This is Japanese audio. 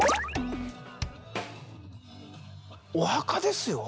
お墓ですよ。